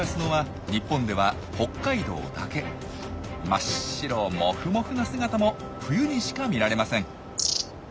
真っ白モフモフな姿も冬にしか見られません。